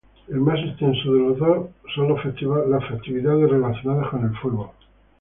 El más extenso de los dos son las festividades relacionadas con el fuego.